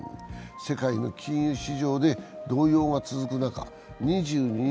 世界の金融市場で動揺が続く中２２日